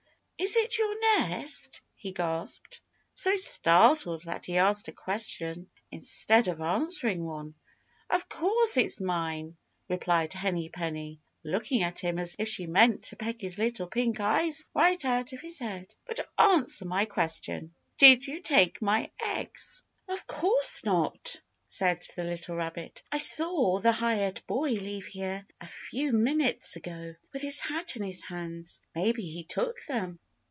"Is it your nest?" he gasped, so startled that he asked a question instead of answering one. "Of course it's mine," replied Henny Penny, looking at him as if she meant to peck his little pink eyes right out of his head. "But answer my question. Did you take my eggs?" "Of course not," said the little rabbit. "I saw the hired boy leave here a few minutes ago with his hat in his hands. Maybe he took them."